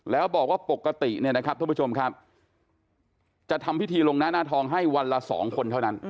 แล้วบอกว่าปกติเนี่ยนะครับท่านผู้ชมครับจะทำพิธีลงหน้าหน้าทองให้วันละ๒คนเท่านั้น